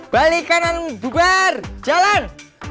balikan bubar jalan